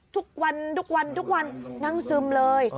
ทุกวันนั่งซึมเลย